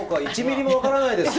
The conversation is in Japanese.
一ミリも分からないの？